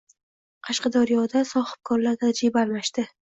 Qashqadaryoda sohibkorlar tajriba almashdi